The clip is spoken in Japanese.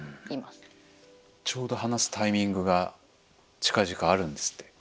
ちょうど話すタイミングが近々あるんですって。